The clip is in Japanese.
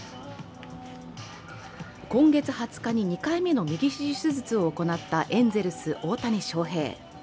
今月２０日に２回目の右肘手術を行ったエンゼルス・大谷翔平。